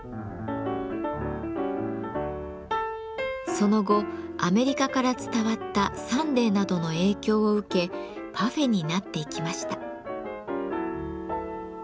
その後アメリカから伝わった「サンデー」などの影響を受け「パフェ」になっていきました。